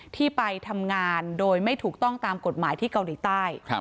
ที่ไปทำงานโดยไม่ถูกต้องตามกฎหมายที่เกาหลีใต้